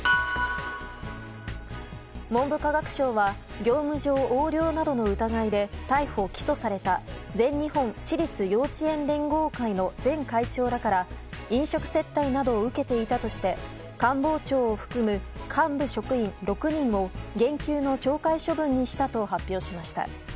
文部科学省は業務上横領などの疑いで逮捕・起訴された全日本私立幼稚園連合会の前会長らから飲食接待などを受けていたとして官房長を含む幹部職員６人を減給の懲戒処分にしたと発表しました。